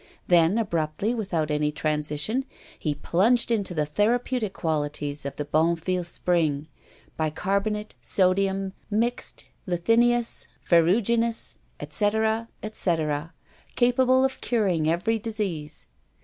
Then abruptly, without any transition, he plunged into the therapeutic qualities of the Bonnefille Spring, bicarbonate, sodium, mixed, lithineous, ferruginous, et cetera, et cetera, capable of curing every disease.